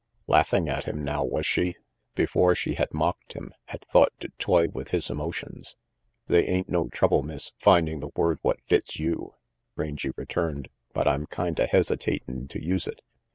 Laughing at him now, was she? Before, she had mocked him, had thought to toy with his emotions. "They ain't no trouble, Miss, finding the word what fits you," Rangy returned, "but I'm kinda hesitatin' to use it.